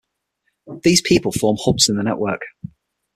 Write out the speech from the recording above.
These people form hubs in the network.